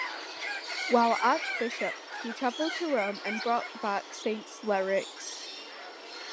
While archbishop, he travelled to Rome and brought back saint's relics.